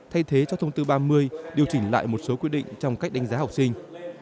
thay thế cho thông tư ba mươi điều chỉnh lại một số quy định trong cách đánh giá học sinh